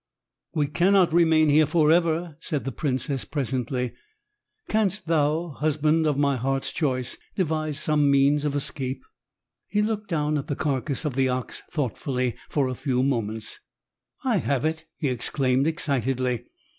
"We cannot remain here forever," said the princess, presently. "Canst thou, husband of my heart's choice, devise some means of escape?" He looked down at the carcass of the ox thoughtfully for a few moments. "I have it," he exclaimed, excitedly.